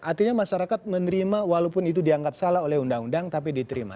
artinya masyarakat menerima walaupun itu dianggap salah oleh undang undang tapi diterima